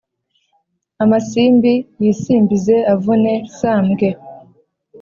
amasimbi yisimbize avune sambwe